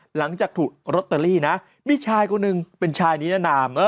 หลังจากถูกลอตเตอรี่นะมีชายคนหนึ่งเป็นชายนิรนาม